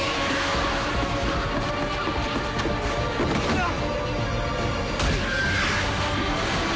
あっ！